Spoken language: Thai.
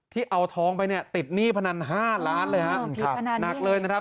เอาทองไปเนี่ยติดหนี้พนันห้าล้านเลยฮะหนักเลยนะครับ